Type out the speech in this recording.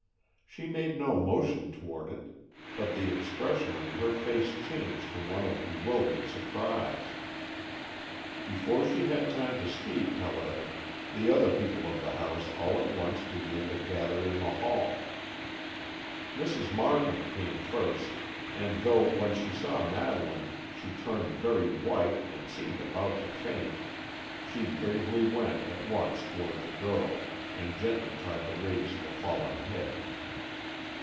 She made no motion toward it, but the expression on her face changed to one of bewildered surprise. Before she had time to speak, however, the other people of the house all at once began to gather in the hall. Mrs. Markham came first, and though when she saw Madeleine she turned very white and seemed about to faint, she bravely went at once toward the girl, and gently tried to raise the fallen head.